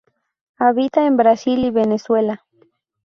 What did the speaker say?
Habita en Brasil y Venezuela.